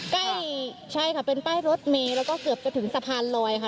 ใกล้ใช่ค่ะเป็นป้ายรถเมย์แล้วก็เกือบจะถึงสะพานลอยค่ะ